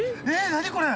何これ？